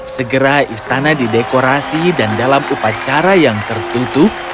segera istana didekorasi dan dalam upacara yang tertutup